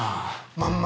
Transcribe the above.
まんま？